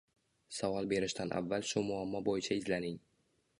Savol berishdan avval shu muammo bo’yicha izlaning